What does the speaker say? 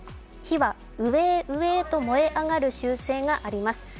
火は上へ上へと燃え上がる習性があります。